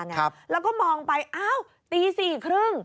แล้วก็มองไปอ้าวตีสี่ครึ่ง